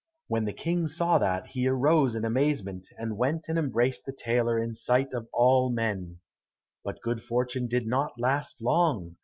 When the King saw that he arose in amazement, and went and embraced the tailor in the sight of all men. But good fortune did not last long.